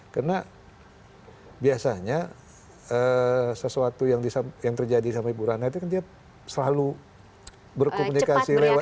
karena biasanya sesuatu yang terjadi sama ibu ratna itu kan dia selalu berkomunikasi lewat